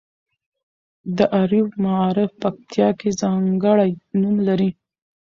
د اریوب معارف پکتیا کې ځانګړی نوم لري.